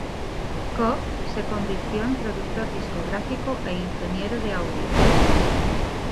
Cobb se convirtió en productor discográfico e ingeniero de audio.